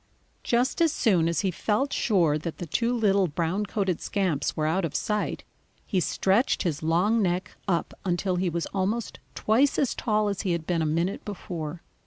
Just as soon as he felt sure that the two little brown coated scamps were out of sight, he stretched his long neck up until he was almost twice as tall as he had been a minute before.